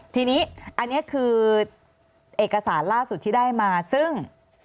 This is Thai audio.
ทีนี้อันนี้คือเอกสารล่าสุดที่ได้มาซึ่ง